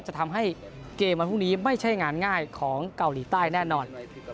จะทำให้เกมวันพรุ่งนี้ไม่ใช่งานง่ายของเกาหลีใต้แน่นอน